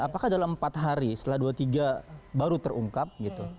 apakah dalam empat hari setelah dua puluh tiga baru terungkap gitu